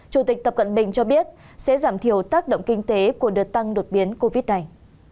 chủ tịch tập cận bình cho biết sẽ giảm thiểu tác động kinh tế của đợt tăng đột biến covid này